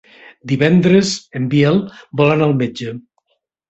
Divendres en Biel vol anar al metge.